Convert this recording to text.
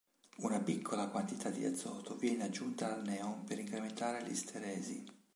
Una piccola quantità di azoto viene aggiunta al neon per incrementare l'isteresi.